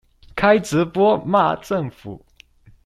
開直播罵政府